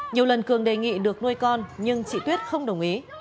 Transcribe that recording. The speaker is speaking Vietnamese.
nhiều lần cường đề nghị được nuôi con nhưng chị tuyết không đồng ý